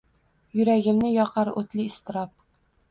Yuragimni yoqar o’tli iztirob